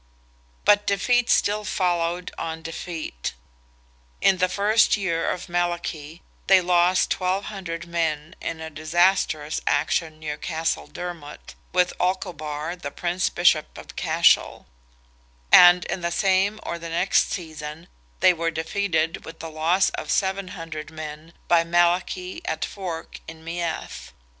But defeat still followed on defeat; in the first year of Malachy, they lost 1,200 men in a disastrous action near Castle Dermot, with Olcobar the Prince bishop of Cashel; and in the same or the next season they were defeated with the loss of 700 men, by Malachy, at Fore, in Meath.